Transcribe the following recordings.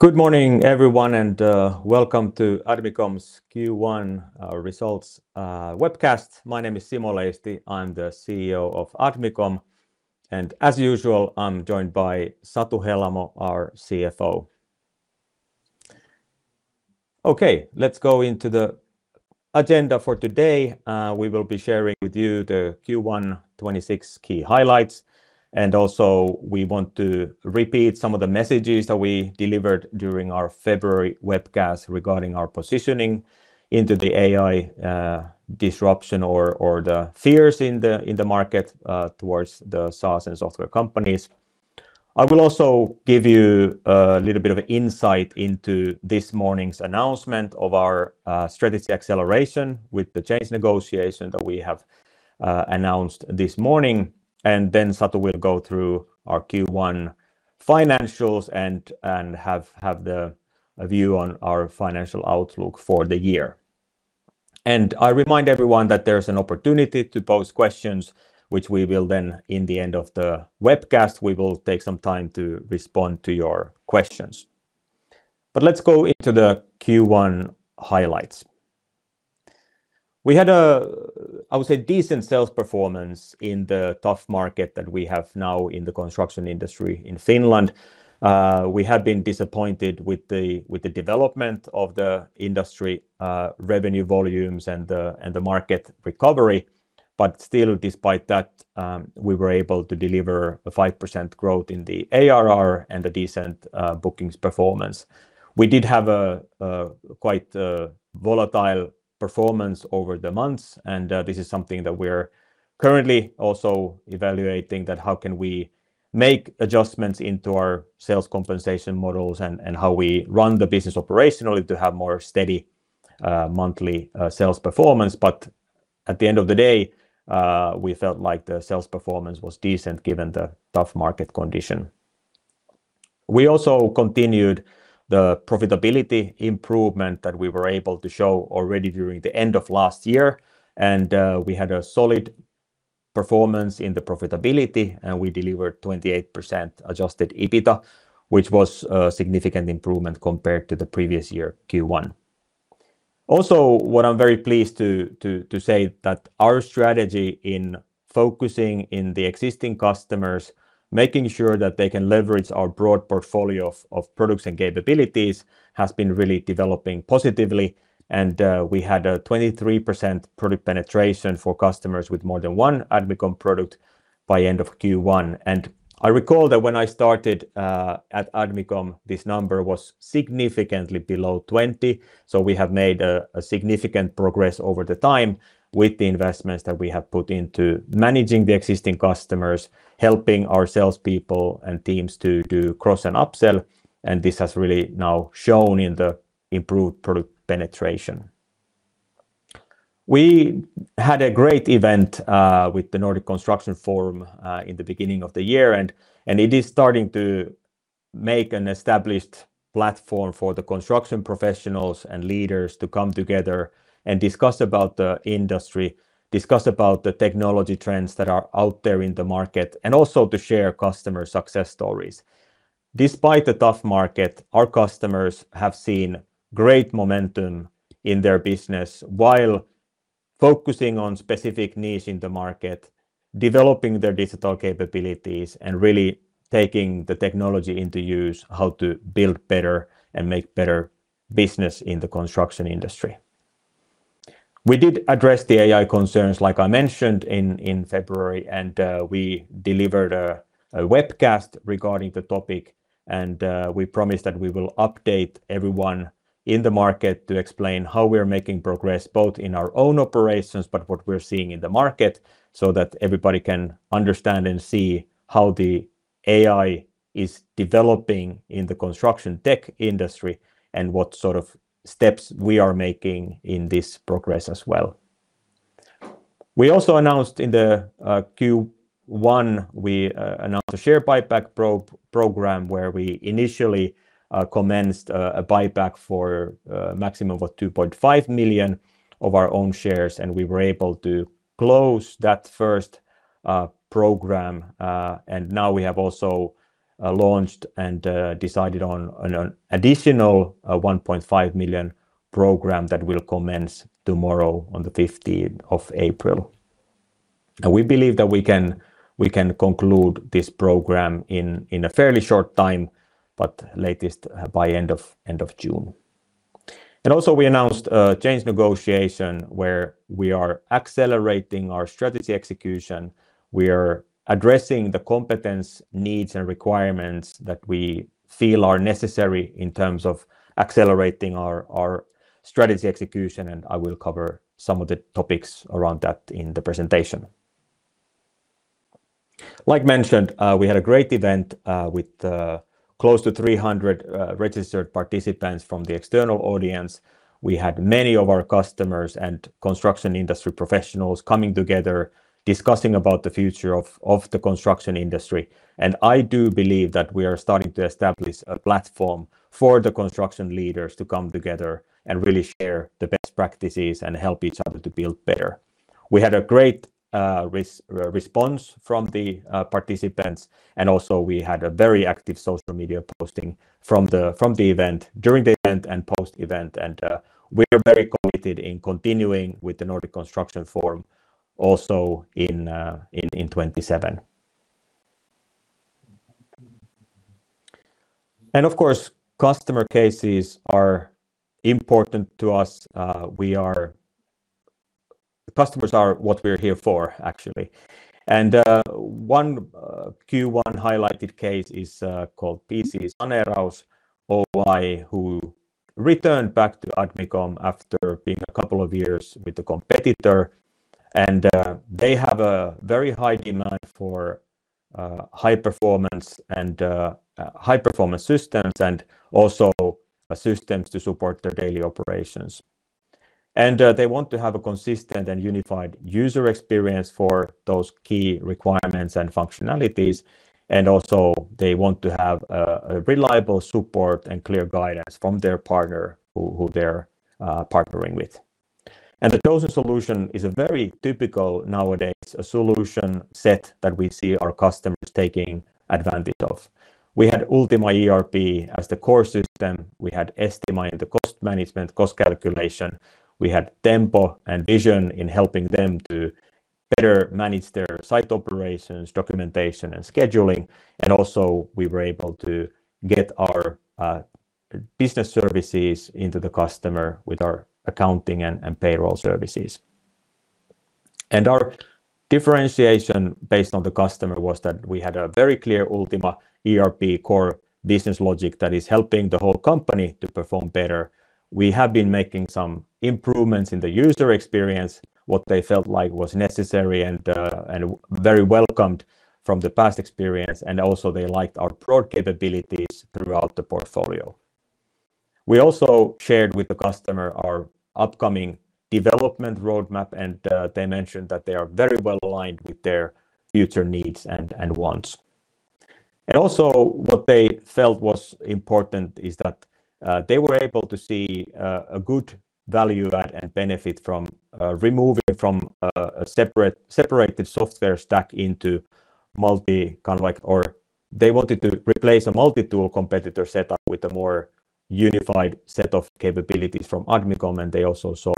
Good morning everyone, and welcome to Admicom's Q1 results webcast. My name is Simo Leisti. I'm the CEO of Admicom, and as usual, I'm joined by Satu Helamo, our CFO. Okay, let's go into the agenda for today. We will be sharing with you the Q1 2026 key highlights. Also we want to repeat some of the messages that we delivered during our February webcast regarding our positioning into the AI disruption or the fears in the market towards the SaaS and software companies. I will also give you a little bit of insight into this morning's announcement of our strategy acceleration with the change negotiation that we have announced this morning. Satu will go through our Q1 financials and have the view on our financial outlook for the year. I remind everyone that there's an opportunity to pose questions. In the end of the webcast, we will take some time to respond to your questions. Let's go into the Q1 highlights. We had a, I would say, decent sales performance in the tough market that we have now in the construction industry in Finland. We have been disappointed with the development of the industry revenue volumes and the market recovery. Still despite that, we were able to deliver a 5% growth in the ARR and a decent bookings performance. We did have a quite volatile performance over the months, and this is something that we're currently also evaluating that how can we make adjustments into our sales compensation models and how we run the business operationally to have more steady monthly sales performance. At the end of the day, we felt like the sales performance was decent given the tough market condition. We also continued the profitability improvement that we were able to show already during the end of last year. We had a solid performance in the profitability, and we delivered 28% adjusted EBITDA, which was a significant improvement compared to the previous year Q1. Also, what I'm very pleased to say that our strategy in focusing in the existing customers, making sure that they can leverage our broad portfolio of products and capabilities, has been really developing positively. We had a 23% product penetration for customers with more than one Admicom product by end of Q1. I recall that when I started at Admicom, this number was significantly below 20%. We have made a significant progress over the time with the investments that we have put into managing the existing customers, helping our salespeople and teams to do cross and upsell, and this has really now shown in the improved product penetration. We had a great event with the Nordic Construction Forum in the beginning of the year. It is starting to make an established platform for the construction professionals and leaders to come together and discuss about the industry, discuss about the technology trends that are out there in the market, and also to share customer success stories. Despite the tough market, our customers have seen great momentum in their business while focusing on specific niche in the market, developing their digital capabilities and really taking the technology into use, how to build better and make better business in the construction industry. We did address the AI concerns, like I mentioned in February. We delivered a webcast regarding the topic, and we promised that we will update everyone in the market to explain how we're making progress, both in our own operations, but what we're seeing in the market, so that everybody can understand and see how the AI is developing in the construction tech industry, and what sort of steps we are making in this progress as well. We also announced in the Q1 a share buyback program where we initially commenced a buyback for a maximum of 2.5 million of our own shares, and we were able to close that first program. Now we have also launched and decided on an additional 1.5 million program that will commence tomorrow on the 15th of April. We believe that we can conclude this program in a fairly short time, but latest by end of June. Also we announced a change negotiation where we are accelerating our strategy execution. We are addressing the competence needs and requirements that we feel are necessary in terms of accelerating our strategy execution, and I will cover some of the topics around that in the presentation. Like mentioned, we had a great event with close to 300 registered participants from the external audience. We had many of our customers and construction industry professionals coming together discussing about the future of the construction industry. I do believe that we are starting to establish a platform for the construction leaders to come together and really share the best practices and help each other to build better. We had a great response from the participants, and also we had a very active social media posting from the event, during the event and post-event. We're very committed in continuing with the Nordic Construction Forum, also in 2027. Of course, customer cases are important to us. The customers are what we're here for, actually. One Q1 highlighted case is called PC-Saneeraus Oy, who returned back to Admicom after being a couple of years with a competitor. They have a very high demand for high-performance systems and also systems to support their daily operations. They want to have a consistent and unified user experience for those key requirements and functionalities, and also they want to have a reliable support and clear guidance from their partner who they're partnering with. The chosen solution is a very typical nowadays solution set that we see our customers taking advantage of. We had Ultima ERP as the core system. We had Estima in the cost management, cost calculation. We had Tempo and Vision in helping them to better manage their site operations, documentation, and scheduling. Also we were able to get our business services into the customer with our accounting and payroll services. Our differentiation based on the customer was that we had a very clear Ultima ERP core business logic that is helping the whole company to perform better. We have been making some improvements in the user experience, what they felt like was necessary and very welcomed from the past experience, and also they liked our broad capabilities throughout the portfolio. We also shared with the customer our upcoming development roadmap, and they mentioned that they are very well aligned with their future needs and wants. Also what they felt was important is that they were able to see a good value add and benefit from removing from a separated software stack. They wanted to replace a multi-tool competitor setup with a more unified set of capabilities from Admicom, and they also saw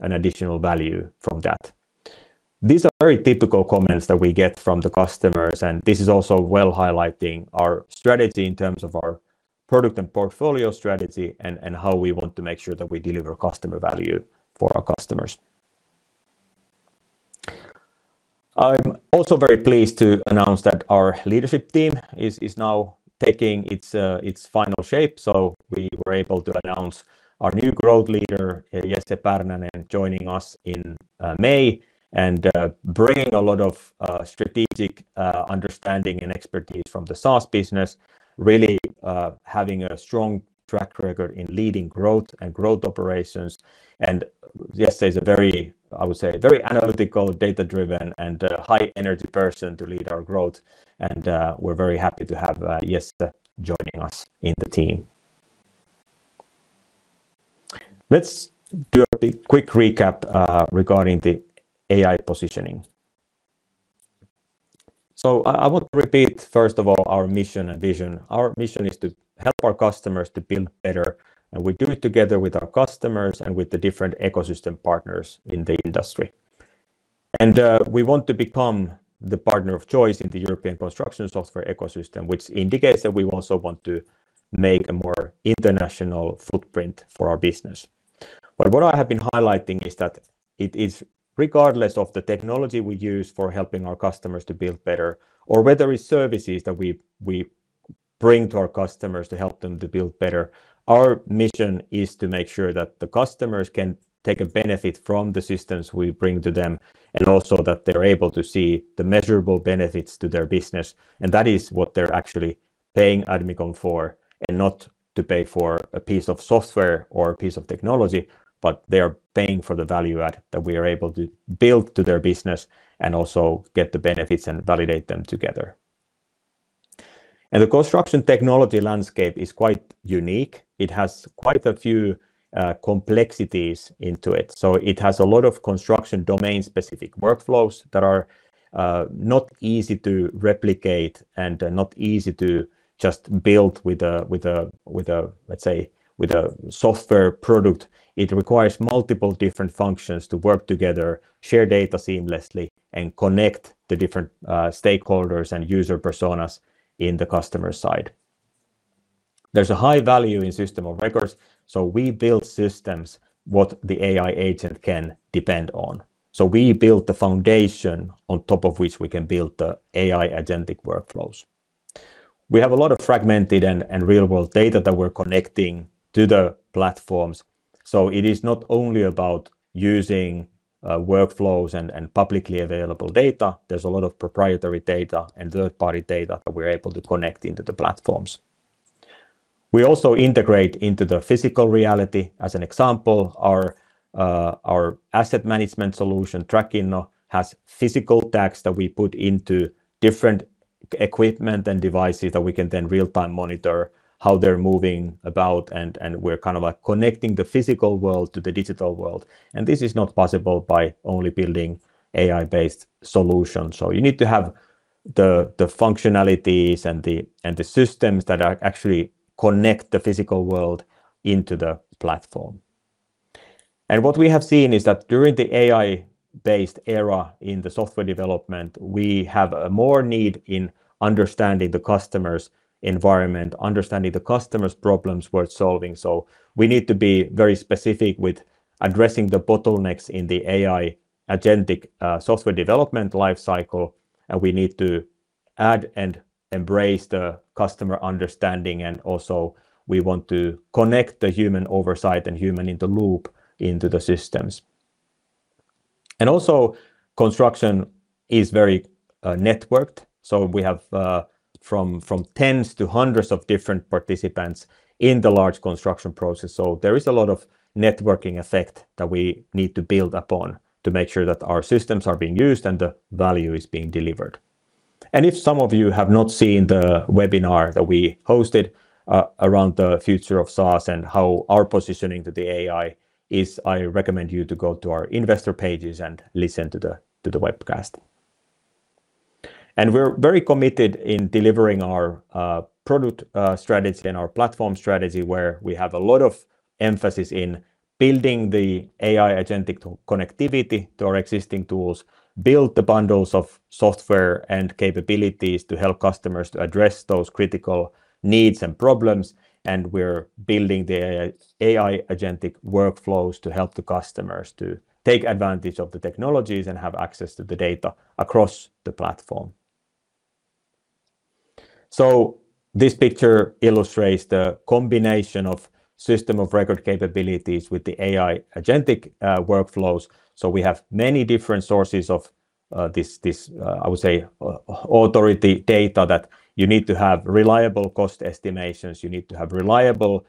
an additional value from that. These are very typical comments that we get from the customers, and this is also well highlighting our strategy in terms of our product and portfolio strategy and how we want to make sure that we deliver customer value for our customers. I'm also very pleased to announce that our Leadership Team is now taking its final shape. We were able to announce our new Growth Leader, Jesse Pärnänen, joining us in May and bringing a lot of strategic understanding and expertise from the SaaS business, really having a strong track record in leading growth and growth operations. Jesse is a very, I would say, very analytical, data-driven, and high-energy person to lead our growth. We're very happy to have Jesse joining us in the team. Let's do a quick recap regarding the AI positioning. I want to repeat, first of all, our mission and vision. Our mission is to help our customers to build better, and we do it together with our customers and with the different ecosystem partners in the industry. We want to become the partner of choice in the European construction software ecosystem, which indicates that we also want to make a more international footprint for our business. What I have been highlighting is that it is regardless of the technology we use for helping our customers to build better, or whether it's services that we bring to our customers to help them to build better. Our mission is to make sure that the customers can take a benefit from the systems we bring to them, and also that they're able to see the measurable benefits to their business. That is what they're actually paying Admicom for, and not to pay for a piece of software or a piece of technology, but they are paying for the value-add that we are able to build to their business and also get the benefits and validate them together. The construction technology landscape is quite unique. It has quite a few complexities into it. It has a lot of construction domain-specific workflows that are not easy to replicate and not easy to just build with, let's say, a software product. It requires multiple different functions to work together, share data seamlessly, and connect the different stakeholders and user personas in the customer side. There's a high value in system of records, so we build systems what the AI agent can depend on. We build the foundation on top of which we can build the AI agentic workflows. We have a lot of fragmented and real-world data that we're connecting to the platforms, so it is not only about using workflows and publicly available data. There's a lot of proprietary data and third-party data that we're able to connect into the platforms. We also integrate into the physical reality. As an example, our asset management solution, Trackinno, has physical tags that we put into different equipment and devices that we can then real-time monitor how they're moving about, and we're kind of connecting the physical world to the digital world. This is not possible by only building AI-based solutions. You need to have the functionalities and the systems that actually connect the physical world into the platform. What we have seen is that during the AI-based era in the software development, we have more need in understanding the customer's environment, understanding the customer's problems worth solving. We need to be very specific with addressing the bottlenecks in the AI agentic software development life cycle, and we need to add and embrace the customer understanding. We also want to connect the human oversight and human in the loop into the systems. Also, construction is very networked. We have from tens to hundreds of different participants in the large construction process. There is a lot of networking effect that we need to build upon to make sure that our systems are being used and the value is being delivered. If some of you have not seen the webinar that we hosted around the future of SaaS and how our positioning to the AI is, I recommend you to go to our investor pages and listen to the webcast. We're very committed in delivering our product strategy and our platform strategy, where we have a lot of emphasis in building the AI agentic connectivity to our existing tools, build the bundles of software and capabilities to help customers to address those critical needs and problems, and we're building the AI agentic workflows to help the customers to take advantage of the technologies and have access to the data across the platform. This picture illustrates the combination of system of record capabilities with the AI agentic workflows. We have many different sources of this, I would say, authority data that you need to have reliable cost estimations. You need to have reliable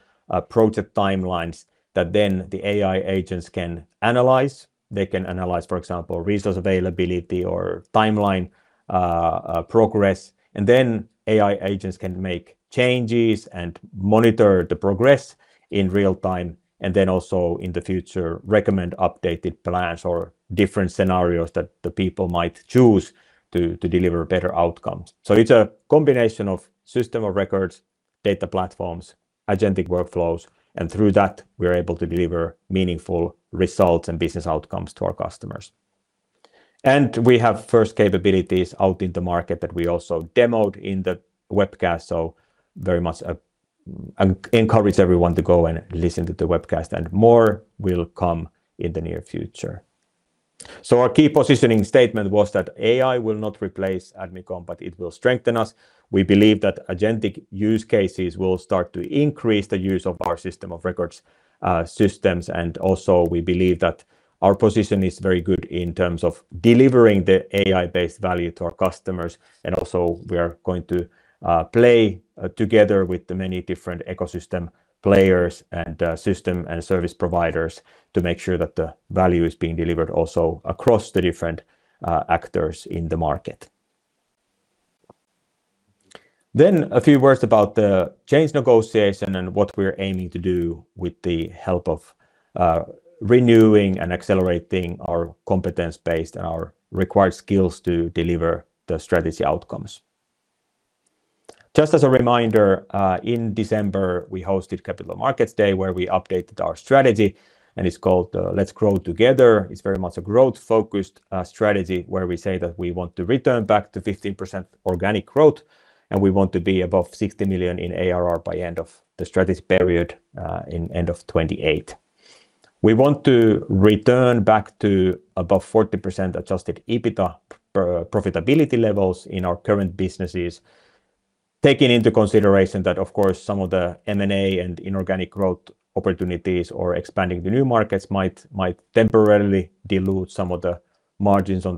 project timelines that then the AI agents can analyze. They can analyze, for example, resource availability or timeline progress. AI agents can make changes and monitor the progress in real time, and then also in the future, recommend updated plans or different scenarios that the people might choose to deliver better outcomes. It's a combination of system of records, data platforms, agentic workflows, and through that, we are able to deliver meaningful results and business outcomes to our customers. We have first capabilities out in the market that we also demoed in the webcast. We very much encourage everyone to go and listen to the webcast, and more will come in the near future. Our key positioning statement was that AI will not replace Admicom, but it will strengthen us. We believe that agentic use cases will start to increase the use of our system of records systems, and also we believe that our position is very good in terms of delivering the AI-based value to our customers, and also we are going to play together with the many different ecosystem players and system and service providers to make sure that the value is being delivered also across the different actors in the market. A few words about the change negotiation and what we're aiming to do with the help of renewing and accelerating our competence base and our required skills to deliver the strategy outcomes. Just as a reminder, in December, we hosted Capital Markets Day, where we updated our strategy, and it's called Let's Grow Together. It's very much a growth-focused strategy where we say that we want to return back to 15% organic growth, and we want to be above 60 million in ARR by end of the strategy period, in end of 2028. We want to return back to above 40% adjusted EBITDA profitability levels in our current businesses, taking into consideration that, of course, some of the M&A and inorganic growth opportunities or expanding the new markets might temporarily dilute some of the margins on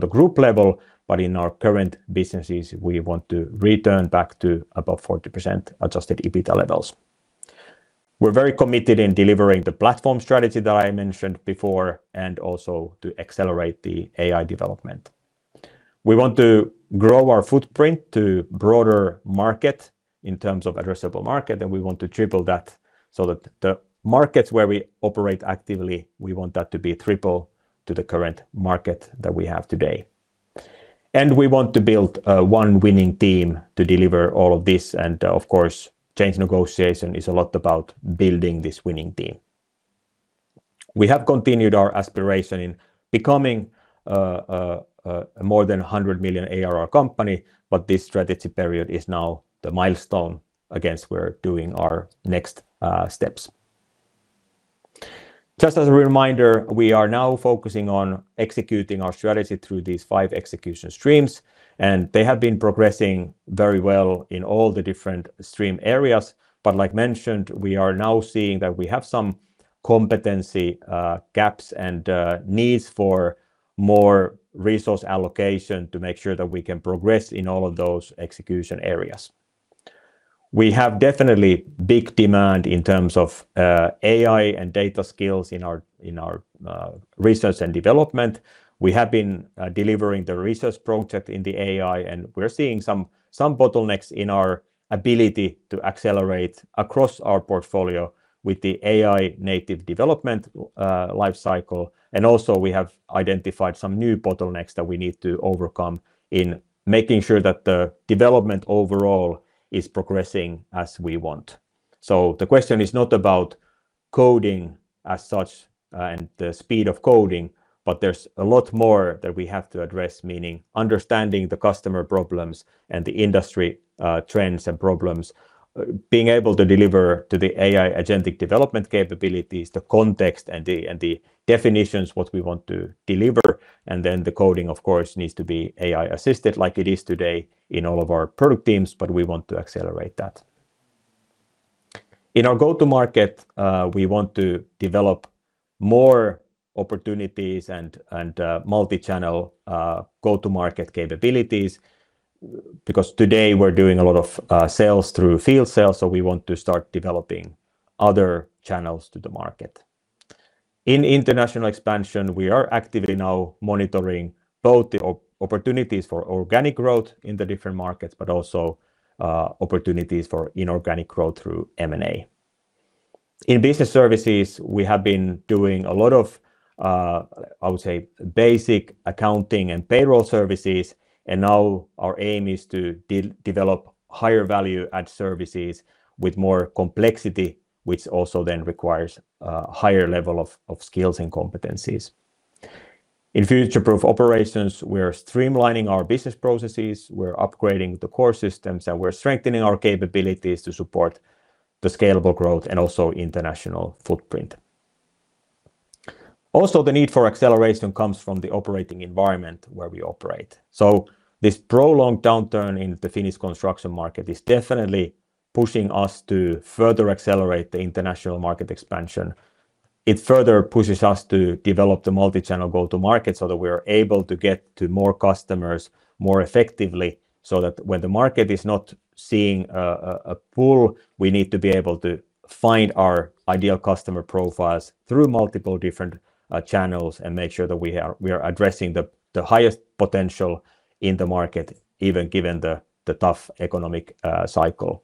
the Group level. In our current businesses, we want to return back to above 40% adjusted EBITDA levels. We're very committed in delivering the platform strategy that I mentioned before and also to accelerate the AI development. We want to grow our footprint to broader market in terms of addressable market, and we want to triple that so that the markets where we operate actively, we want that to be triple to the current market that we have today. We want to build one winning team to deliver all of this, and, of course, change negotiation is a lot about building this winning team. We have continued our aspiration in becoming a more than 100 million ARR company, but this strategy period is now the milestone against we're doing our next steps. Just as a reminder, we are now focusing on executing our strategy through these five execution streams, and they have been progressing very well in all the different stream areas. Like mentioned, we are now seeing that we have some competency gaps and needs for more resource allocation to make sure that we can progress in all of those execution areas. We have definitely big demand in terms of AI and data skills in our research and development. We have been delivering the research project in the AI, and we're seeing some bottlenecks in our ability to accelerate across our portfolio with the AI native development life cycle. Also we have identified some new bottlenecks that we need to overcome in making sure that the development overall is progressing as we want. The question is not about coding as such and the speed of coding, but there's a lot more that we have to address, meaning understanding the customer problems and the industry trends and problems, being able to deliver to the AI agentic development capabilities, the context and the definitions, what we want to deliver. The coding, of course, needs to be AI-assisted like it is today in all of our product teams, but we want to accelerate that. In our go-to-market, we want to develop more opportunities and multi-channel go-to-market capabilities because today we're doing a lot of sales through field sales, so we want to start developing other channels to the market. In international expansion, we are actively now monitoring both the opportunities for organic growth in the different markets, but also opportunities for inorganic growth through M&A. In Business Services, we have been doing a lot of, I would say, basic accounting and payroll services, and now our aim is to develop higher value-add services with more complexity, which also then requires a higher level of skills and competencies. In Future-Proof Operations, we are streamlining our business processes, we're upgrading the core systems, and we're strengthening our capabilities to support the scalable growth and also international footprint. Also, the need for acceleration comes from the operating environment where we operate. This prolonged downturn in the Finnish construction market is definitely pushing us to further accelerate the international market expansion. It further pushes us to develop the multi-channel go-to-market so that we're able to get to more customers more effectively, so that when the market is not seeing a pull, we need to be able to find our ideal customer profiles through multiple different channels and make sure that we are addressing the highest potential in the market, even given the tough economic cycle.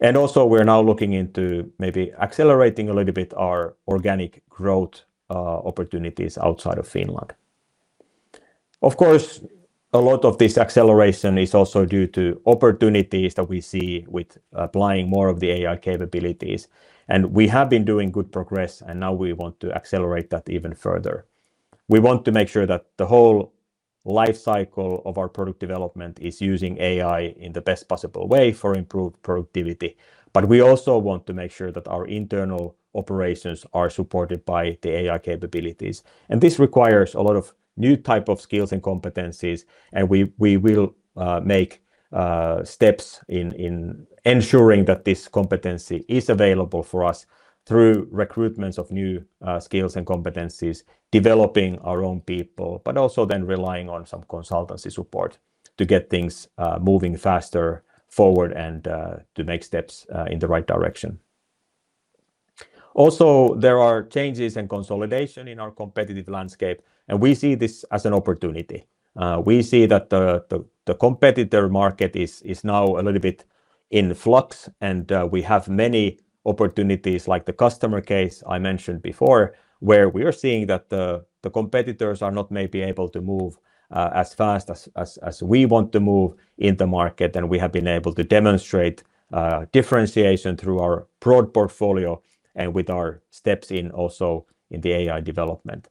We're now looking into maybe accelerating a little bit our organic growth opportunities outside of Finland. Of course, a lot of this acceleration is also due to opportunities that we see with applying more of the AI capabilities. We have been doing good progress, and now we want to accelerate that even further. We want to make sure that the whole lifecycle of our product development is using AI in the best possible way for improved productivity. We also want to make sure that our internal operations are supported by the AI capabilities. This requires a lot of new type of skills and competencies, and we will make steps in ensuring that this competency is available for us through recruitments of new skills and competencies, developing our own people, but also then relying on some consultancy support to get things moving faster forward and to make steps in the right direction. Also, there are changes and consolidation in our competitive landscape, and we see this as an opportunity. We see that the competitor market is now a little bit in flux, and we have many opportunities like the customer case I mentioned before, where we are seeing that the competitors are not maybe able to move as fast as we want to move in the market. We have been able to demonstrate differentiation through our broad portfolio and with our steps also in the AI development.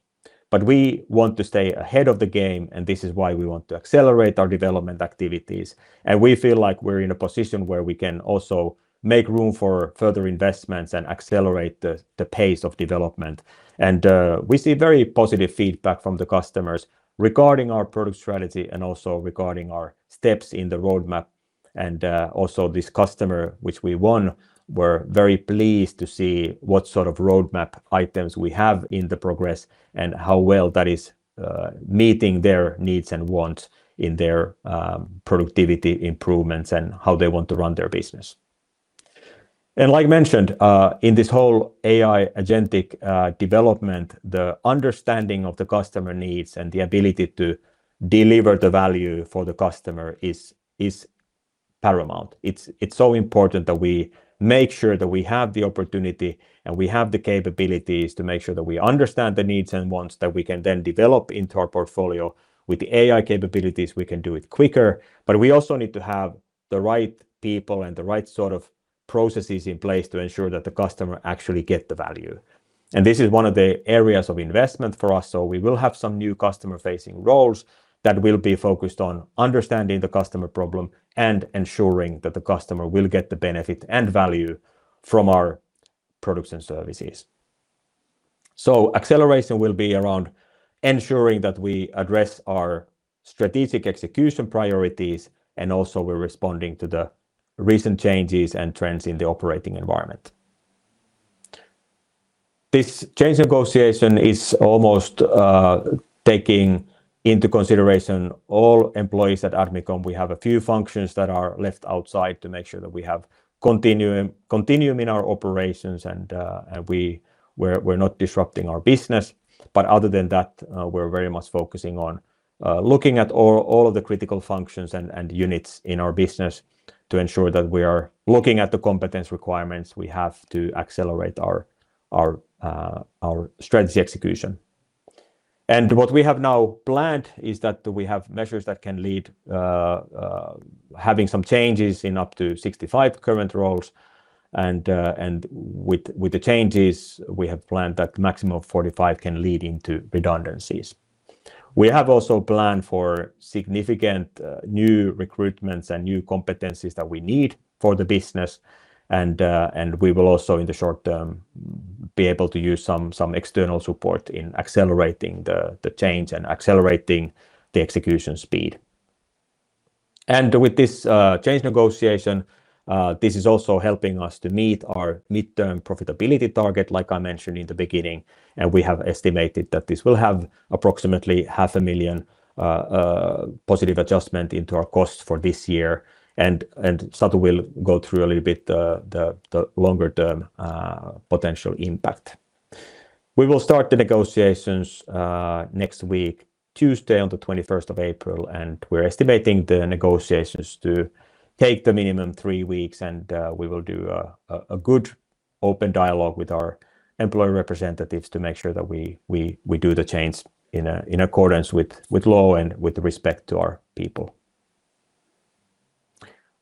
We want to stay ahead of the game, and this is why we want to accelerate our development activities. We feel like we're in a position where we can also make room for further investments and accelerate the pace of development. We see very positive feedback from the customers regarding our product strategy and also regarding our steps in the roadmap. Also this customer which we won, were very pleased to see what sort of roadmap items we have in the progress and how well that is meeting their needs and wants in their productivity improvements and how they want to run their business. Like mentioned, in this whole AI agentic development, the understanding of the customer needs and the ability to deliver the value for the customer is paramount. It's so important that we make sure that we have the opportunity and we have the capabilities to make sure that we understand the needs and wants that we can then develop into our portfolio. With the AI capabilities, we can do it quicker, but we also need to have the right people and the right sort of processes in place to ensure that the customer actually get the value. This is one of the areas of investment for us. We will have some new customer-facing roles that will be focused on understanding the customer problem and ensuring that the customer will get the benefit and value from our products and services. Acceleration will be around ensuring that we address our strategic execution priorities and also we're responding to the recent changes and trends in the operating environment. This change negotiation is almost taking into consideration all employees at Admicom. We have a few functions that are left outside to make sure that we have continuum in our operations and we're not disrupting our business. Other than that, we're very much focusing on looking at all of the critical functions and units in our business to ensure that we are looking at the competence requirements we have to accelerate our strategy execution. What we have now planned is that we have measures that can lead having some changes in up to 65 current roles. With the changes, we have planned that maximum 45 can lead into redundancies. We have also planned for significant new recruitments and new competencies that we need for the business and we will also, in the short term, be able to use some external support in accelerating the change and accelerating the execution speed. With this change negotiation, this is also helping us to meet our midterm profitability target, like I mentioned in the beginning. We have estimated that this will have approximately 500,000 positive adjustment into our costs for this year. Satu will go through a little bit the longer-term potential impact. We will start the negotiations next week, Tuesday on the 21st of April. We're estimating the negotiations to take the minimum three weeks. We will do a good open dialogue with our employee representatives to make sure that we do the change in accordance with law and with respect to our people.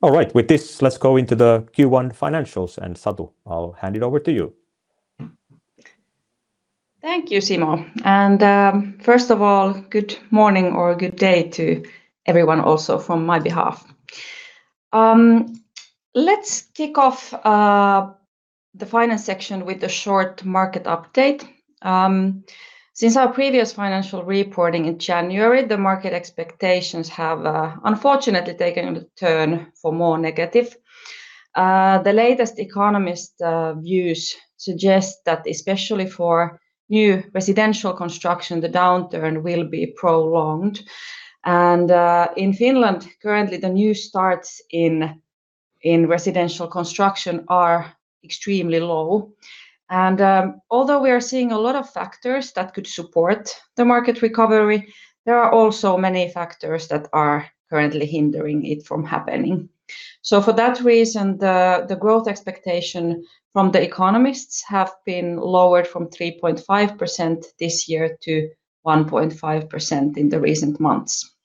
All right. With this, let's go into the Q1 financials. Satu, I'll hand it over to you. Thank you, Simo. First of all, good morning or good day to everyone also from my behalf. Let's kick off the finance section with a short market update. Since our previous financial reporting in January, the market expectations have unfortunately taken a turn for more negative. The latest economist views suggest that especially for new residential construction, the downturn will be prolonged. In Finland, currently, the new starts in residential construction are extremely low. Although we are seeing a lot of factors that could support the market recovery, there are also many factors that are currently hindering it from happening. For that reason, the growth expectation from the economists have been lowered from 3.5% this year to 1.5% in the recent months.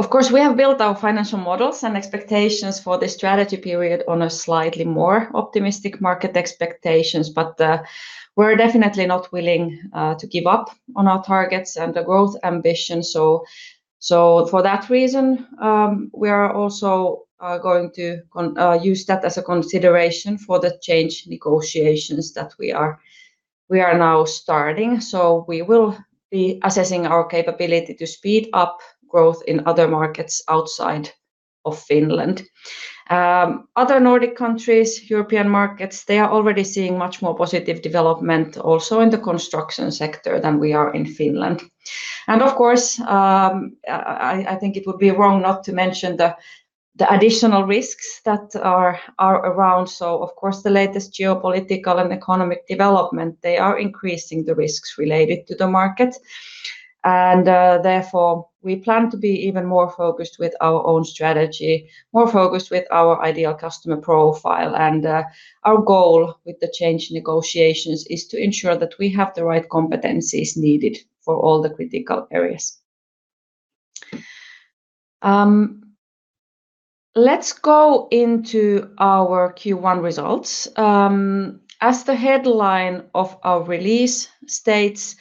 Of course, we have built our financial models and expectations for the strategy period on a slightly more optimistic market expectations, but we're definitely not willing to give up on our targets and the growth ambition. For that reason, we are also going to use that as a consideration for the change negotiations that we are now starting. We will be assessing our capability to speed up growth in other markets outside of Finland. Other Nordic countries, European markets, they are already seeing much more positive development also in the construction sector than we are in Finland. Of course, I think it would be wrong not to mention the additional risks that are around. Of course, the latest geopolitical and economic development, they are increasing the risks related to the market, and therefore we plan to be even more focused with our own strategy, more focused with our ideal customer profile. Our goal with the change negotiations is to ensure that we have the right competencies needed for all the critical areas. Let's go into our Q1 results. As the headline of our release states,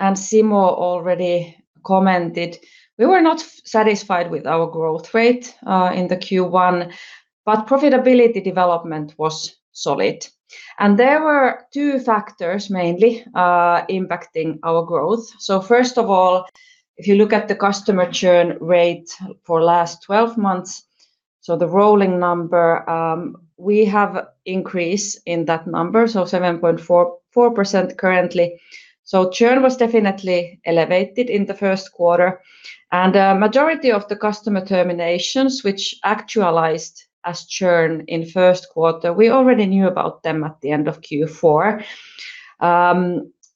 and Simo already commented, we were not satisfied with our growth rate in the Q1, but profitability development was solid and there were two factors mainly impacting our growth. First of all, if you look at the customer churn rate for last 12 months, so the rolling number, we have increase in that number, so 7.4% currently. Churn was definitely elevated in the first quarter. Majority of the customer terminations which actualized as churn in first quarter, we already knew about them at the end of Q4.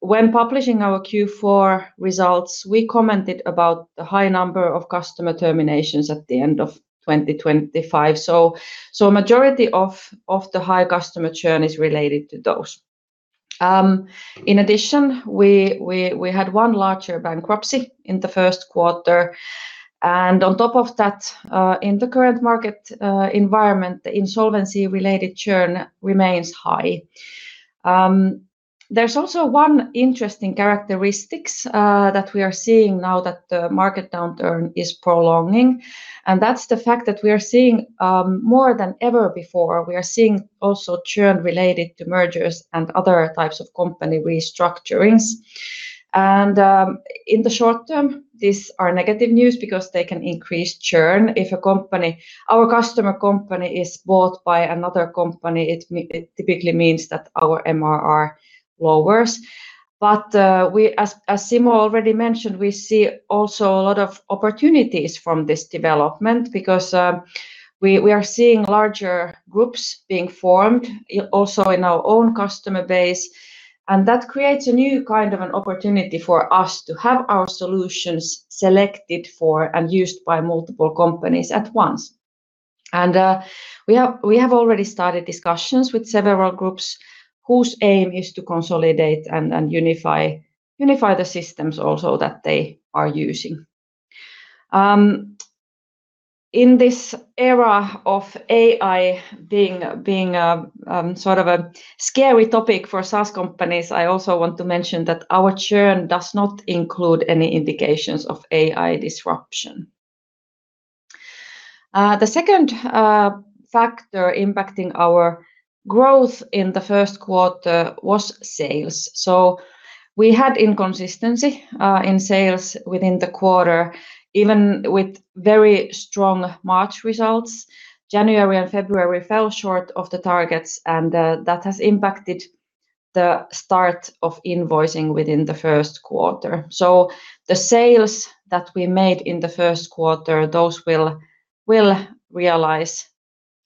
When publishing our Q4 results, we commented about the high number of customer terminations at the end of 2025. Majority of the high customer churn is related to those. In addition, we had one larger bankruptcy in the first quarter, and on top of that, in the current market environment, the insolvency-related churn remains high. There's also one interesting characteristics that we are seeing now that the market downturn is prolonging, and that's the fact that we are seeing more than ever before. We are seeing also churn related to mergers and other types of company restructurings. In the short term, these are negative news because they can increase churn. If our customer company is bought by another company, it typically means that our MRR lowers. As Simo already mentioned, we see also a lot of opportunities from this development because we are seeing larger groups being formed also in our own customer base, and that creates a new kind of an opportunity for us to have our solutions selected for and used by multiple companies at once. We have already started discussions with several groups whose aim is to consolidate and unify the systems also that they are using. In this era of AI being sort of a scary topic for SaaS companies, I also want to mention that our churn does not include any indications of AI disruption. The second factor impacting our growth in the first quarter was sales. We had inconsistency in sales within the quarter, even with very strong March results. January and February fell short of the targets, and that has impacted the start of invoicing within the first quarter. The sales that we made in the first quarter, those will realize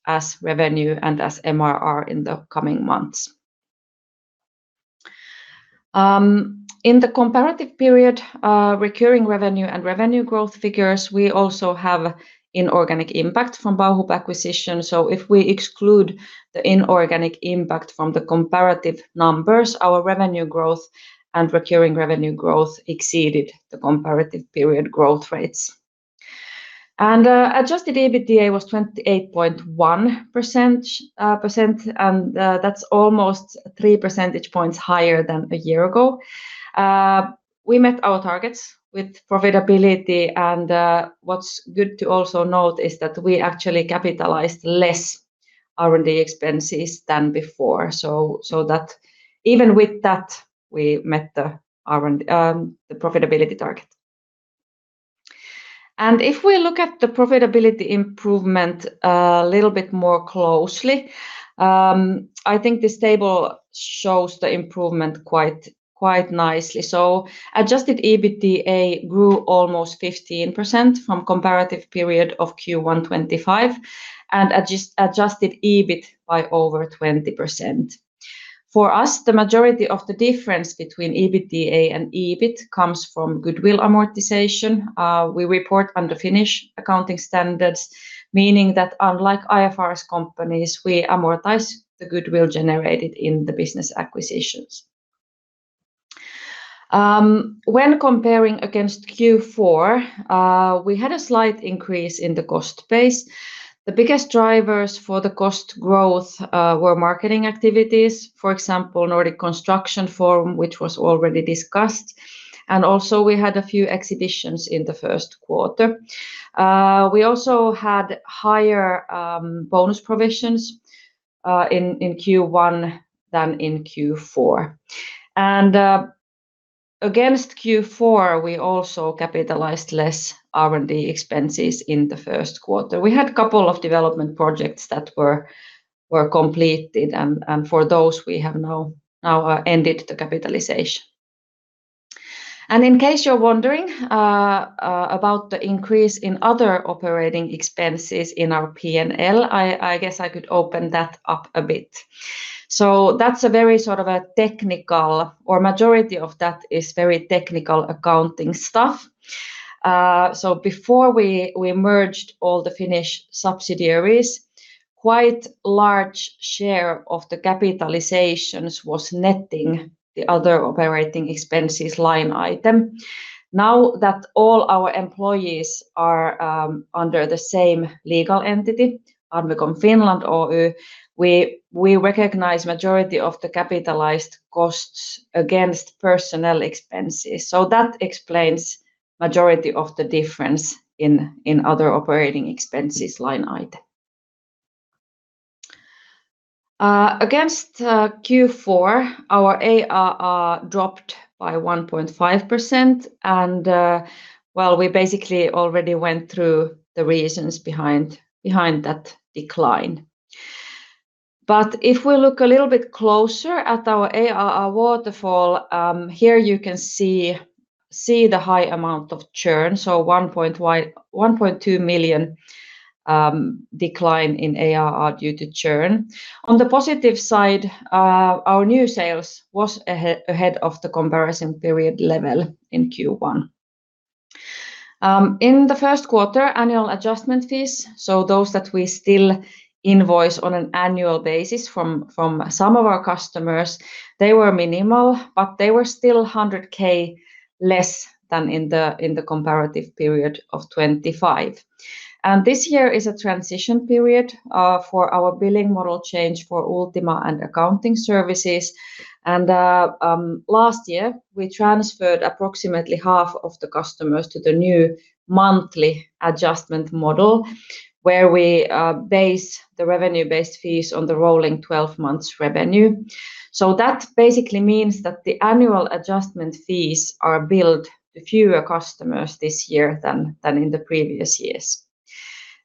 as revenue and as MRR in the coming months. In the comparative period, recurring revenue and revenue growth figures, we also have inorganic impact from Bauhub acquisition. If we exclude the inorganic impact from the comparative numbers, our revenue growth and recurring revenue growth exceeded the comparative period growth rates. Adjusted EBITDA was 28.1%, and that's almost three percentage points higher than a year ago. We met our targets with profitability. What's good to also note is that we actually capitalized less R&D expenses than before. Even with that, we met the profitability target. If we look at the profitability improvement a little bit more closely, I think this table shows the improvement quite nicely. Adjusted EBITDA grew almost 15% from comparative period of Q1 2025 and adjusted EBIT by over 20%. For us, the majority of the difference between EBITDA and EBIT comes from goodwill amortization. We report under Finnish accounting standards, meaning that unlike IFRS companies, we amortize the goodwill generated in the business acquisitions. When comparing against Q4, we had a slight increase in the cost base. The biggest drivers for the cost growth were marketing activities, for example, Nordic Climate Forum, which was already discussed, and also we had a few exhibitions in the first quarter. We also had higher bonus provisions in Q1 than in Q4. Against Q4, we also capitalized less R&D expenses in the first quarter. We had couple of development projects that were completed, and for those, we have now ended the capitalization. In case you're wondering about the increase in other operating expenses in our P&L, I guess I could open that up a bit. Majority of that is very technical accounting stuff. Before we merged all the Finnish subsidiaries, quite large share of the capitalizations was netting the other operating expenses line item. Now that all our employees are under the same legal entity, Admicom Finland Oy, we recognize majority of the capitalized costs against personnel expenses. That explains majority of the difference in other operating expenses line item. Against Q4, our ARR dropped by 1.5%, and we basically already went through the reasons behind that decline. If we look a little bit closer at our ARR waterfall, here you can see the high amount of churn. 1.2 million decline in ARR due to churn. On the positive side, our new sales was ahead of the comparison period level in Q1. In the first quarter, annual adjustment fees, so those that we still invoice on an annual basis from some of our customers, they were minimal, but they were still 100,000 less than in the comparative period of 2025. This year is a transition period for our billing model change for Ultima and accounting services. Last year, we transferred approximately half of the customers to the new monthly adjustment model where we base the revenue-based fees on the rolling 12 months revenue. So that basically means that the annual adjustment fees are billed to fewer customers this year than in the previous years.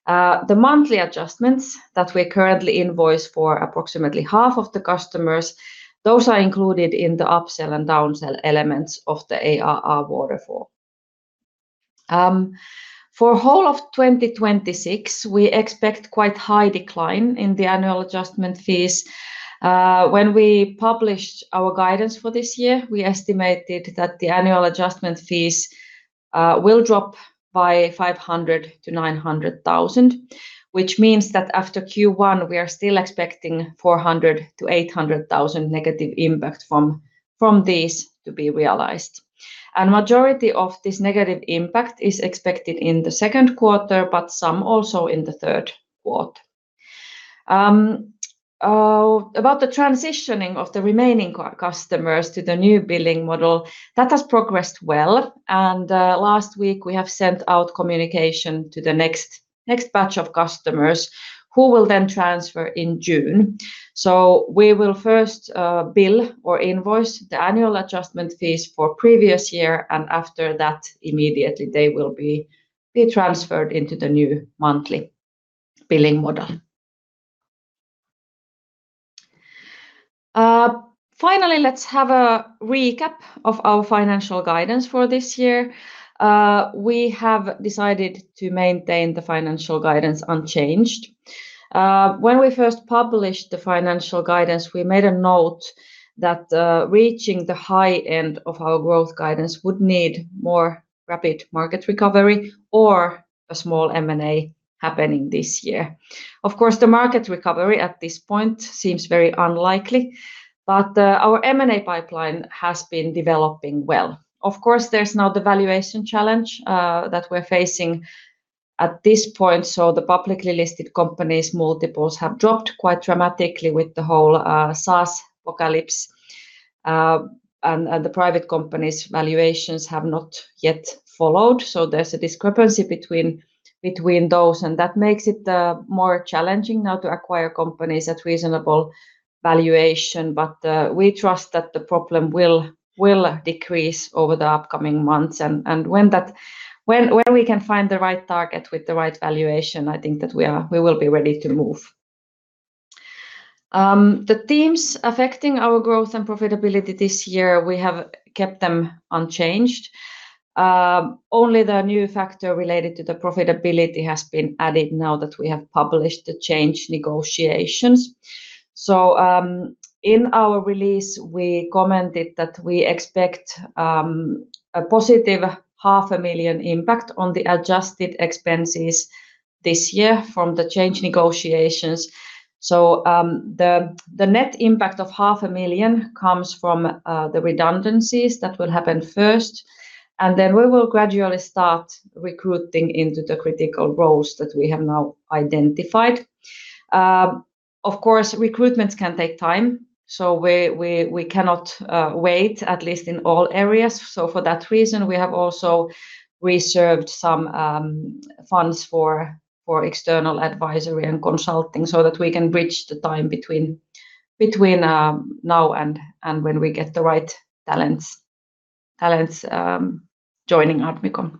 The monthly adjustments that we currently invoice for approximately half of the customers, those are included in the upsell and downsell elements of the ARR waterfall. For whole of 2026, we expect quite high decline in the annual adjustment fees. When we published our guidance for this year, we estimated that the annual adjustment fees will drop by 500,000-900,000, which means that after Q1, we are still expecting 400,000-800,000 negative impact from this to be realized. And majority of this negative impact is expected in the second quarter, but some also in the third quarter. About the transitioning of the remaining customers to the new billing model, that has progressed well, and last week we have sent out communication to the next batch of customers who will then transfer in June. We will first bill or invoice the annual adjustment fees for previous year and after that, immediately they will be transferred into the new monthly billing model. Finally, let's have a recap of our financial guidance for this year. We have decided to maintain the financial guidance unchanged. When we first published the financial guidance, we made a note that reaching the high end of our growth guidance would need more rapid market recovery or a small M&A happening this year. Of course, the market recovery at this point seems very unlikely, but our M&A pipeline has been developing well. Of course, there's now the valuation challenge that we're facing at this point. The publicly listed companies' multiples have dropped quite dramatically with the whole SaaS apocalypse. The private companies' valuations have not yet followed. There's a discrepancy between those, and that makes it more challenging now to acquire companies at reasonable valuation. We trust that the problem will decrease over the upcoming months, and when we can find the right target with the right valuation, I think that we will be ready to move. The themes affecting our growth and profitability this year, we have kept them unchanged. Only the new factor related to the profitability has been added now that we have published the change negotiations. In our release, we commented that we expect a positive 500,000 impact on the adjusted expenses this year from the change negotiations. The net impact of 500,000 comes from the redundancies that will happen first, and then we will gradually start recruiting into the critical roles that we have now identified. Of course, recruitments can take time, so we cannot wait, at least in all areas. For that reason, we have also reserved some funds for external advisory and consulting so that we can bridge the time between now and when we get the right talents joining Admicom.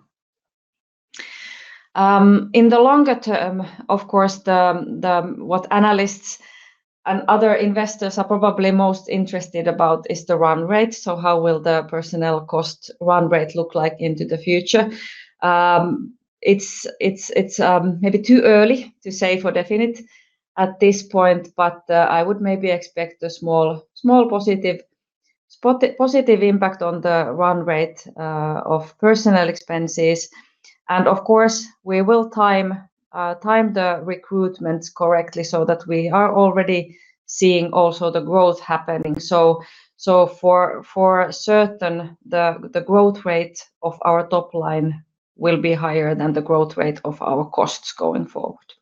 In the longer term, of course, what analysts and other investors are probably most interested about is the run rate. How will the personnel cost run rate look like into the future? It's maybe too early to say for definite at this point, but I would maybe expect a small positive impact on the run rate of personnel expenses. Of course, we will time the recruitment correctly so that we are already seeing also the growth happening. For certain, the growth rate of our top line will be higher than the growth rate of our costs going forward.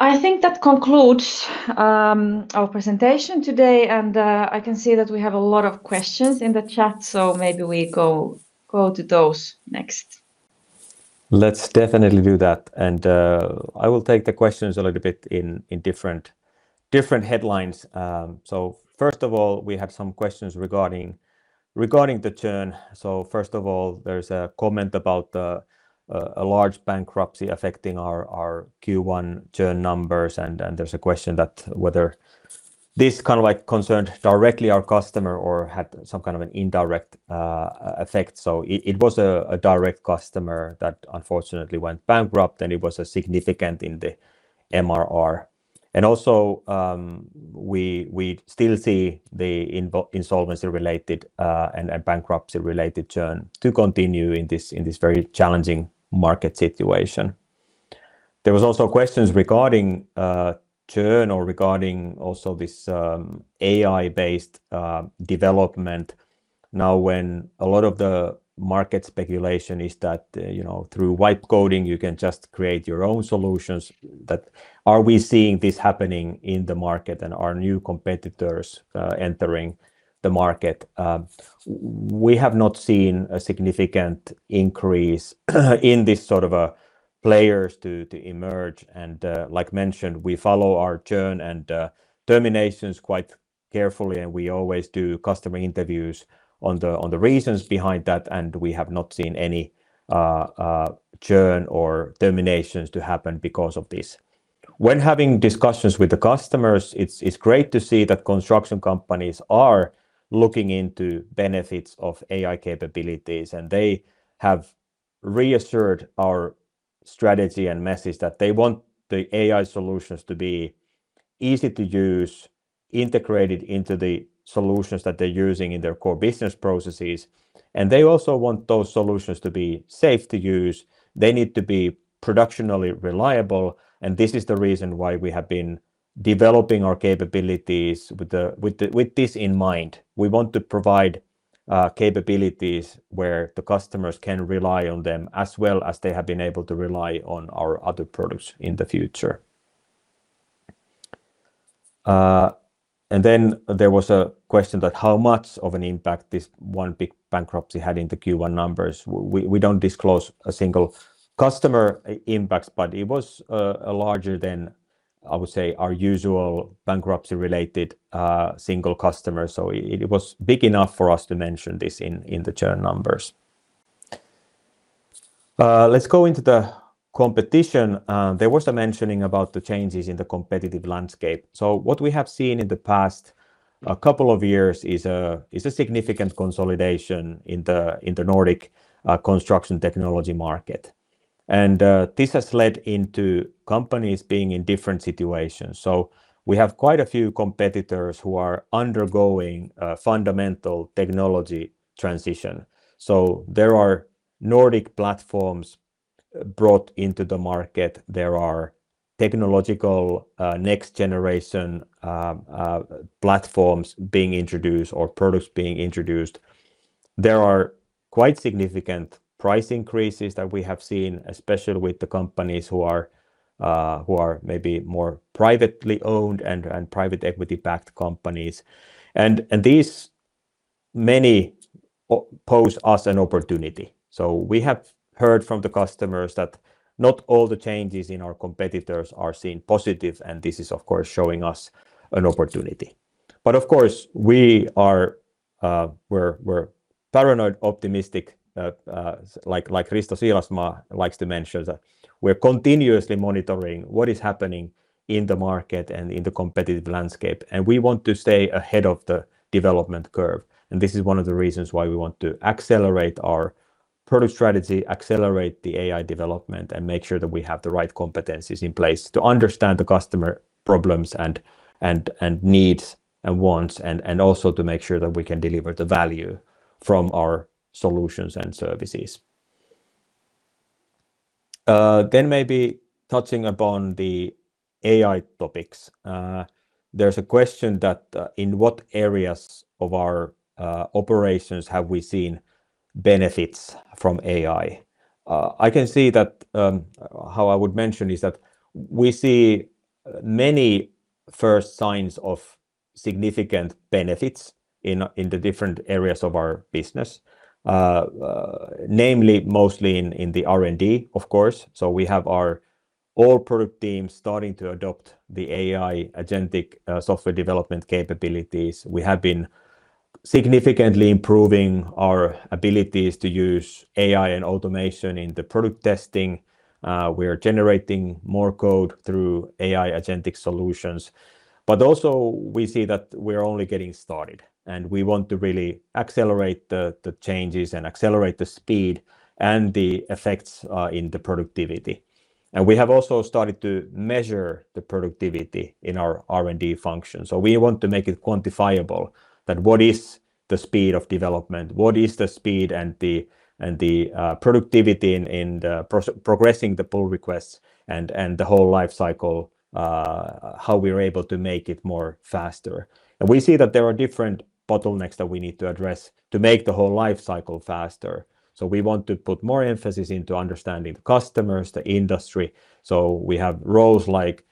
I think that concludes our presentation today, and I can see that we have a lot of questions in the chat, so maybe we go to those next. Let's definitely do that. I will take the questions a little bit in different headlines. First of all, we have some questions regarding the churn. First of all, there's a comment about a large bankruptcy affecting our Q1 churn numbers, and there's a question that whether this kind of concerned directly our customer or had some kind of an indirect effect. It was a direct customer that unfortunately went bankrupt, and it was significant in the MRR. Also, we still see the insolvency-related and bankruptcy-related churn to continue in this very challenging market situation. There was also questions regarding churn or regarding also this AI-based development now when a lot of the market speculation is that through vibe coding you can just create your own solutions. Are we seeing this happening in the market and are new competitors entering the market? We have not seen a significant increase in this sort of AI players to emerge. Like mentioned, we follow our churn and terminations quite carefully, and we always do customer interviews on the reasons behind that, and we have not seen any churn or terminations to happen because of this. When having discussions with the customers, it's great to see that construction companies are looking into benefits of AI capabilities, and they have reaffirmed our strategy and message that they want the AI solutions to be easy to use, integrated into the solutions that they're using in their core business processes. They also want those solutions to be safe to use. They need to be productionally reliable, and this is the reason why we have been developing our capabilities with this in mind. We want to provide capabilities where the customers can rely on them as well as they have been able to rely on our other products in the future. And then there was a question that how much of an impact this one big bankruptcy had in the Q1 numbers? We don't disclose a single customer impact, but it was larger than, I would say, our usual bankruptcy-related single customer. So it was big enough for us to mention this in the churn numbers. Let's go into the competition. There was a mentioning about the changes in the competitive landscape. So what we have seen in the past couple of years is a significant consolidation in the Nordic construction technology market. And this has led into companies being in different situations. So we have quite a few competitors who are undergoing fundamental technology transition. There are Nordic platforms brought into the market. There are technological next-generation platforms being introduced or products being introduced. There are quite significant price increases that we have seen, especially with the companies who are maybe more privately owned and private equity-backed companies. These may pose us an opportunity. We have heard from the customers that not all the changes in our competitors are seen positive, and this is of course showing us an opportunity. Of course, we're paranoid optimistic, like Risto Siilasmaa likes to mention, that we're continuously monitoring what is happening in the market and in the competitive landscape, and we want to stay ahead of the development curve. This is one of the reasons why we want to accelerate our product strategy, accelerate the AI development, and make sure that we have the right competencies in place to understand the customer problems and needs and wants, and also to make sure that we can deliver the value from our solutions and services. Maybe touching upon the AI topics, there's a question that in what areas of our operations have we seen benefits from AI? I can see that how I would mention is that we see many first signs of significant benefits in the different areas of our business, namely, mostly in the R&D, of course. We have our all product teams starting to adopt the AI agentic software development capabilities. We have been significantly improving our abilities to use AI and automation in the product testing. We're generating more code through AI agentic solutions. Also we see that we're only getting started, and we want to really accelerate the changes and accelerate the speed and the effects in the productivity. We have also started to measure the productivity in our R&D function. We want to make it quantifiable that what is the speed of development, what is the speed and the productivity in the progressing the pull requests and the whole life cycle, how we are able to make it more faster. We see that there are different bottlenecks that we need to address to make the whole life cycle faster. We want to put more emphasis into understanding the customers, the industry. We have roles like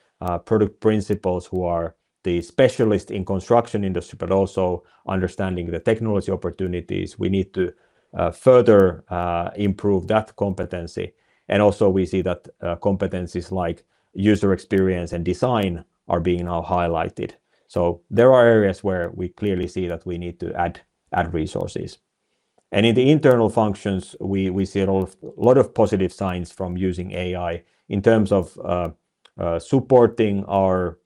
product principals who are the specialist in construction industry, but also understanding the technology opportunities. We need to further improve that competency. Also we see that competencies like user experience and design are being now highlighted. There are areas where we clearly see that we need to add resources. In the internal functions, we see a lot of positive signs from using AI in terms of supporting our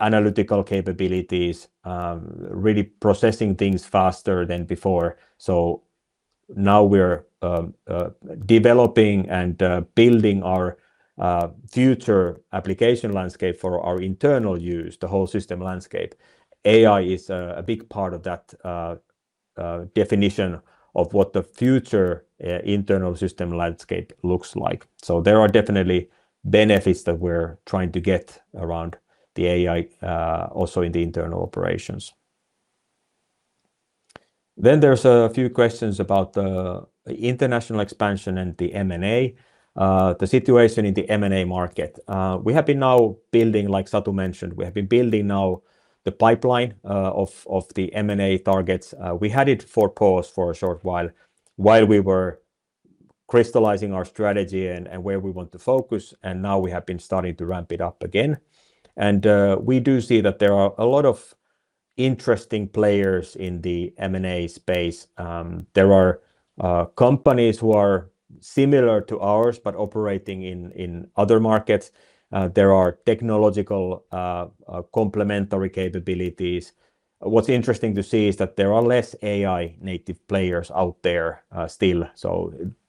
analytical capabilities, really processing things faster than before. Now we're developing and building our future application landscape for our internal use, the whole system landscape. AI is a big part of that definition of what the future internal system landscape looks like. There are definitely benefits that we're trying to get around the AI, also in the internal operations. There's a few questions about the international expansion and the M&A, the situation in the M&A market. We have been now building, like Satu mentioned, we have been building now the pipeline of the M&A targets. We had it for pause for a short while we were crystallizing our strategy and where we want to focus, and now we have been starting to ramp it up again. We do see that there are a lot of interesting players in the M&A space. There are companies who are similar to ours, but operating in other markets. There are technological complementary capabilities. What's interesting to see is that there are less AI native players out there still.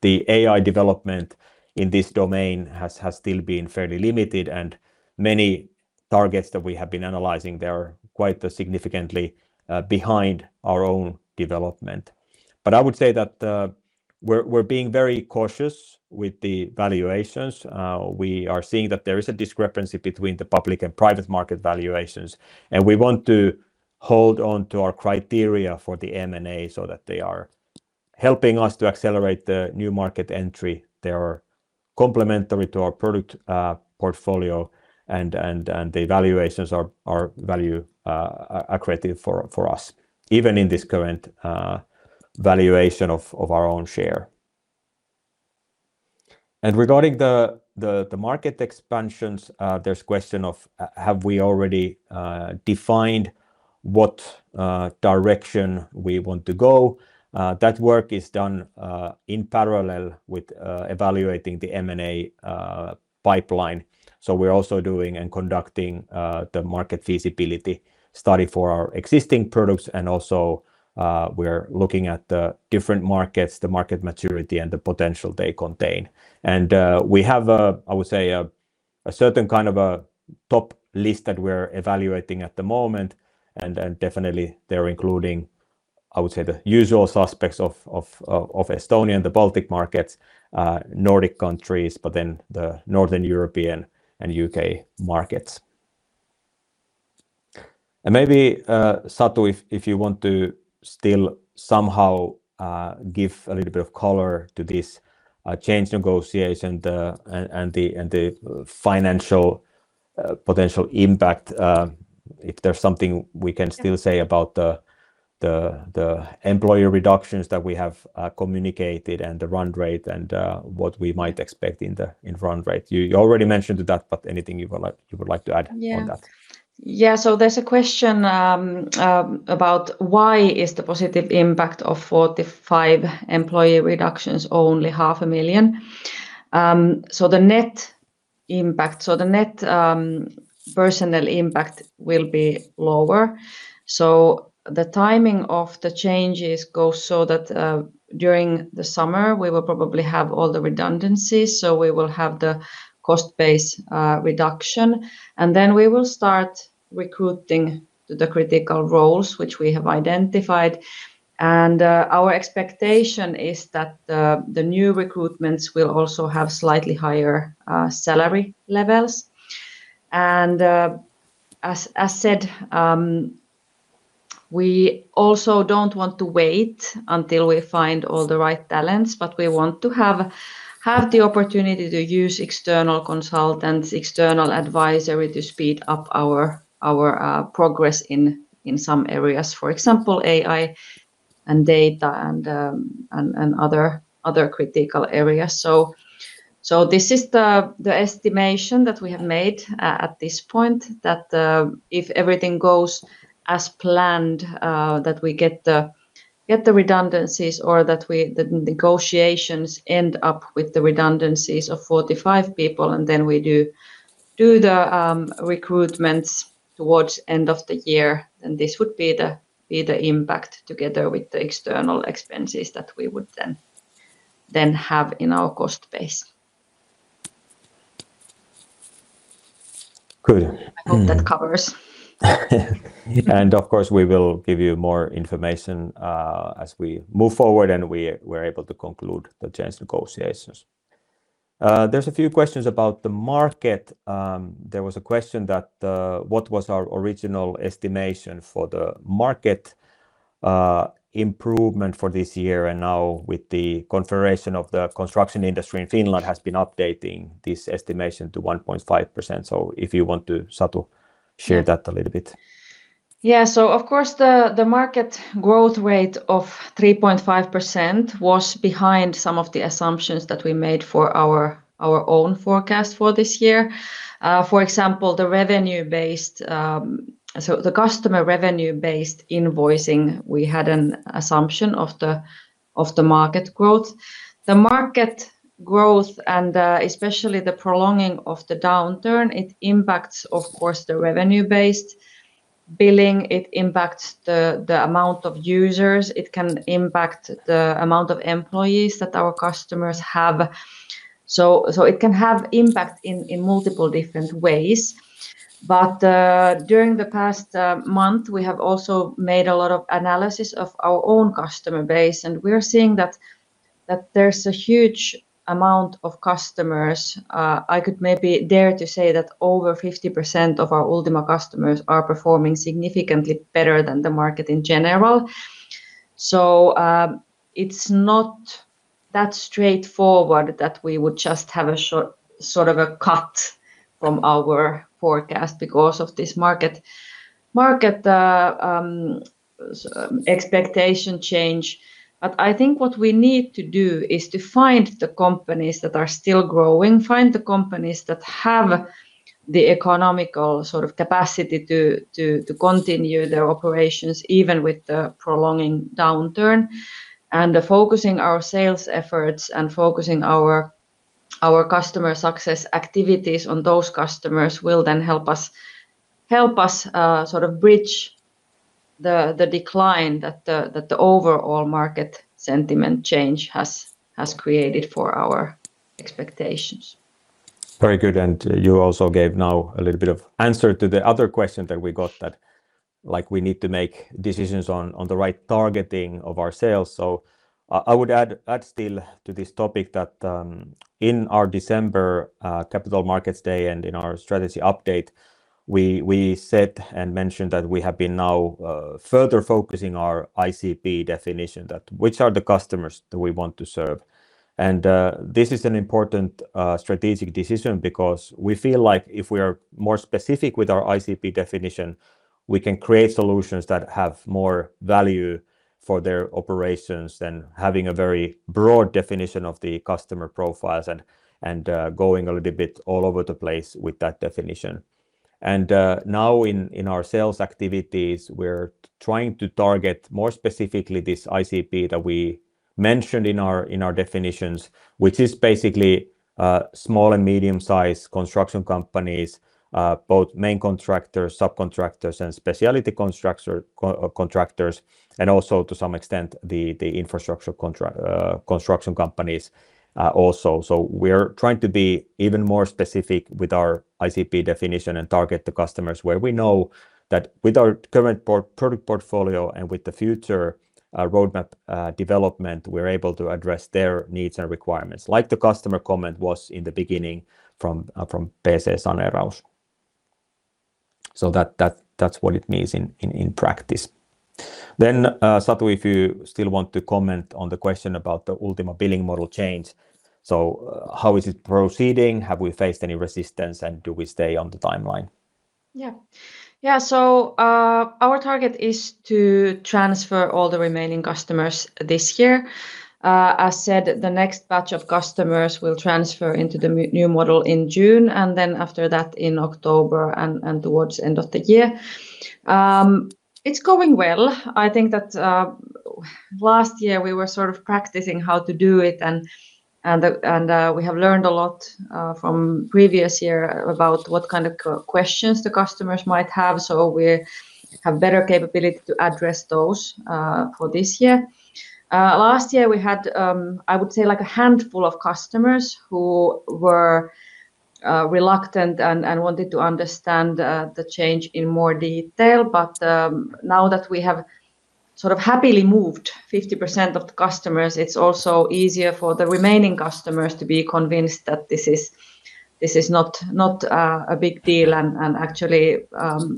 The AI development in this domain has still been fairly limited, and many targets that we have been analyzing, they are quite significantly behind our own development. I would say that we're being very cautious with the valuations. We are seeing that there is a discrepancy between the public and private market valuations, and we want to hold on to our criteria for the M&A so that they are helping us to accelerate the new market entry. They are complementary to our product portfolio and the valuations are value accretive for us, even in this current valuation of our own share. Regarding the market expansions, there's question of, have we already defined what direction we want to go? That work is done in parallel with evaluating the M&A pipeline. We're also doing and conducting the market feasibility study for our existing products. Also, we're looking at the different markets, the market maturity, and the potential they contain. We have a, I would say, a certain kind of a top list that we're evaluating at the moment. Definitely they're including, I would say, the usual suspects of Estonia, the Baltic markets, Nordic countries, but then the Northern European and U.K. markets. Maybe, Satu, if you want to still somehow give a little bit of color to this change negotiation and the financial potential impact, if there's something we can still say about the employee reductions that we have communicated and the run rate and what we might expect in run rate. You already mentioned that, but anything you would like to add on that? Yeah. There's a question about why is the positive impact of 45 employee reductions only 500,000? The net personnel impact will be lower. The timing of the changes go so that during the summer we will probably have all the redundancies, so we will have the cost base reduction, and then we will start recruiting the critical roles which we have identified. Our expectation is that the new recruitments will also have slightly higher salary levels. As said, we also don't want to wait until we find all the right talents, but we want to have the opportunity to use external consultants, external advisory to speed up our progress in some areas, for example, AI and data and other critical areas. This is the estimation that we have made at this point, that if everything goes as planned, that we get the redundancies or that the negotiations end up with the redundancies of 45 people, and then we do the recruitments towards end of the year. This would be the impact together with the external expenses that we would then have in our cost base. Good. I hope that covers. Of course, we will give you more information as we move forward and we're able to conclude the change negotiations. There's a few questions about the market. There was a question that what was our original estimation for the market improvement for this year? Now with the confirmation of the construction industry in Finland has been updating this estimation to 1.5%. If you want to, Satu, share that a little bit. Yeah. Of course, the market growth rate of 3.5% was behind some of the assumptions that we made for our own forecast for this year. For example, the customer revenue-based invoicing, we had an assumption of the market growth. The market growth, and especially the prolonging of the downturn, it impacts, of course, the revenue-based billing. It impacts the amount of users. It can impact the amount of employees that our customers have. It can have impact in multiple different ways. During the past month, we have also made a lot of analysis of our own customer base, and we're seeing that there's a huge amount of customers. I could maybe dare to say that over 50% of our Ultima customers are performing significantly better than the market in general. It's not that straightforward that we would just have a sort of a cut from our forecast because of this market expectation change. I think what we need to do is to find the companies that are still growing, find the companies that have the economical capacity to continue their operations even with the prolonging downturn. Focusing our sales efforts and focusing our customer success activities on those customers will then help us bridge the decline that the overall market sentiment change has created for our expectations. Very good. You also gave now a little bit of answer to the other question that we got that we need to make decisions on the right targeting of our sales. I would add still to this topic that in our December Capital Markets Day and in our strategy update, we said and mentioned that we have been now further focusing our ICP definition that which are the customers that we want to serve. This is an important strategic decision because we feel like if we are more specific with our ICP definition, we can create solutions that have more value for their operations than having a very broad definition of the customer profiles and going a little bit all over the place with that definition. Now in our sales activities, we're trying to target more specifically this ICP that we mentioned in our definitions, which is basically small and medium-sized construction companies, both main contractors, subcontractors, and specialty contractors, and also to some extent the infrastructure construction companies also. We're trying to be even more specific with our ICP definition and target the customers where we know that with our current product portfolio and with the future roadmap development, we're able to address their needs and requirements. Like the customer comment was in the beginning from PC-Saneeraus. That's what it means in practice. Satu, if you still want to comment on the question about the Ultima billing model change, how is it proceeding? Have we faced any resistance and do we stay on the timeline? Yeah. Our target is to transfer all the remaining customers this year. As said, the next batch of customers will transfer into the new model in June, and then after that in October and towards end of the year. It's going well. I think that last year we were sort of practicing how to do it and we have learned a lot from previous year about what kind of questions the customers might have so we have better capability to address those for this year. Last year we had I would say a handful of customers who were reluctant and wanted to understand the change in more detail. Now that we have happily moved 50% of the customers, it's also easier for the remaining customers to be convinced that this is not a big deal and actually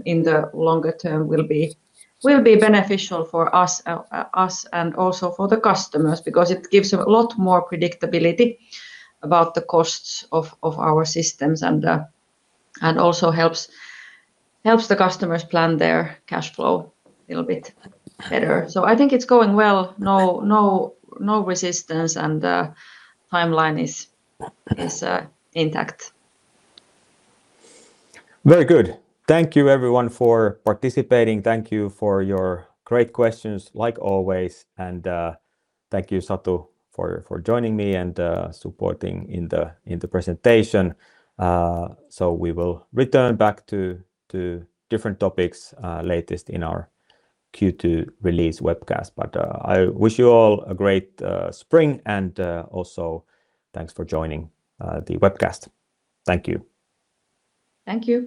in the longer term will be beneficial for us and also for the customers because it gives a lot more predictability about the costs of our systems and also helps the customers plan their cash flow a little bit better. I think it's going well. No resistance and the timeline is intact. Very good. Thank you everyone for participating. Thank you for your great questions like always, and thank you Satu for joining me and supporting in the presentation. We will return back to different topics latest in our Q2 release webcast. I wish you all a great spring and also thanks for joining the webcast. Thank you. Thank you.